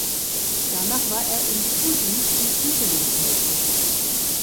Danach war er im Schuldienst in Thüringen tätig.